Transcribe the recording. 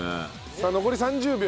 さあ残り３０秒。